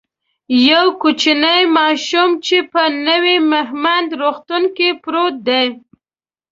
یو کوچنی ماشوم چی په نوی مهمند روغتون کی پروت دی